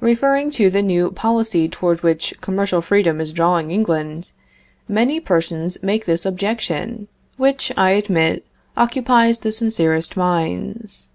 Referring to the new policy toward which commercial freedom is drawing England, many persons make this objection, which, I admit, occupies the sincerest minds.